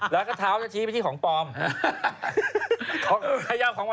แล้วคนหยิบผิดแล้วคนหยิบมา